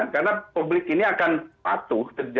karena publik ini akan patuh